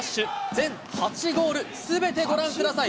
全８ゴールすべてご覧ください。